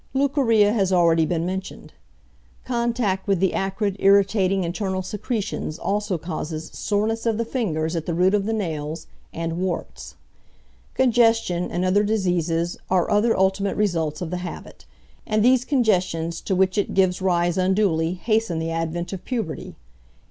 Leucorrhea has already been mentioned. Contact with the acrid, irritating internal secretions also causes soreness of the fingers at the root of the nails, and warts. Congestion and other diseases are other ultimate results of the habit; and these congestions to which it gives rise unduly hasten the advent of puberty.